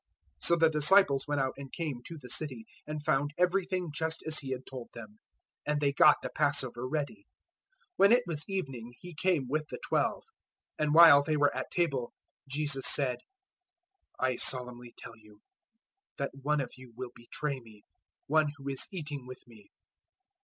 014:016 So the disciples went out and came to the city, and found everything just as He had told them; and they got the Passover ready. 014:017 When it was evening, He came with the Twelve. 014:018 And while they were at table Jesus said, "I solemnly tell you that one of you will betray me one who is eating with me."